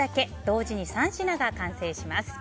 同時に３品が完成します。